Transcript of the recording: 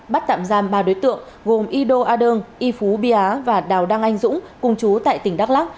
bắt tạm giam ba đối tượng gồm yido a đơn yifu bia và đào đăng anh dũng cùng chú tại tỉnh đắk lắc